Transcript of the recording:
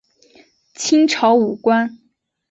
清朝武官。